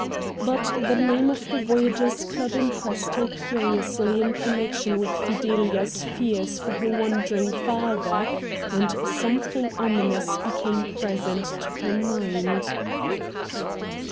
But the name of the Voyagers' Club impressed her curiously in connection with Fidelia's fears for her wandering father, and something ominous became present to her mind.